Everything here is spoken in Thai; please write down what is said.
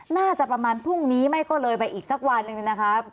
น่าจะประมาณพรุ่งนี้ไม่ก็เลยไปอีกสักวันหนึ่งนะครับ